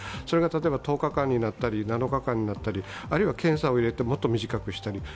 それが１０日間になったり７日間になったり、あるいは検査を入れてもっと短くしたり。